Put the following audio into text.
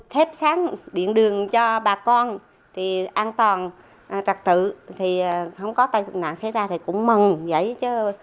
thép sáng điện đường cho bà con thì an toàn trật tự thì không có tai nạn xảy ra thì cũng mừng vậy chứ